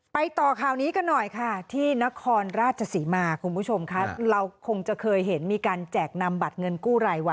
ต่อข่าวนี้กันหน่อยค่ะที่นครราชศรีมาคุณผู้ชมค่ะเราคงจะเคยเห็นมีการแจกนำบัตรเงินกู้รายวัน